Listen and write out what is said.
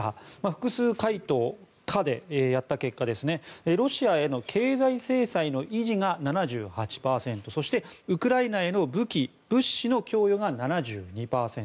複数回答可でやった結果ロシアへの経済制裁の維持が７８％そして、ウクライナへの武器・物資の供与が７２％